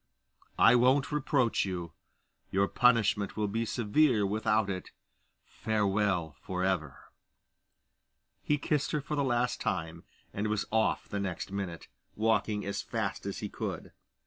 I won't reproach you: your punishment will be severe without it. Farewell for ever!' He kissed her for the last time, and was off the next minute, walking as fast as he could.